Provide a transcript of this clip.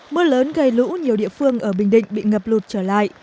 mưa lớn gây lũ nhiều địa phương ở bình định bị ngập lụt trở lại